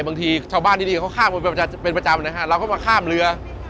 บางทีชาวบ้านดีเขาข้ามมาเป็นประจำนะครับเราก็มาข้ามเรือ